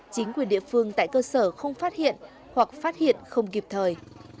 chính quyền địa phương tại cơ sở không phát hiện hoặc phát hiện không kịp thời